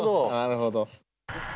なるほど。